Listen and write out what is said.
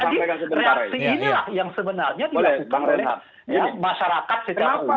jadi reaksi inilah yang sebenarnya dilakukan oleh masyarakat secara umum